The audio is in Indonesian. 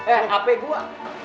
eh eh ap gua